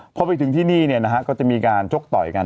พอไปถึงที่นี่ก็จะมีการชกต่อยกัน